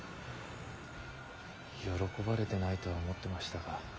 喜ばれてないとは思ってましたが。